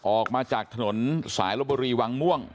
ออกมาจากถนนสายลบบุรีวังม่วง